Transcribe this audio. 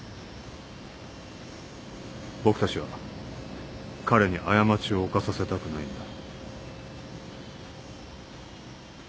僕たちは彼に過ちを犯させたくないんだ。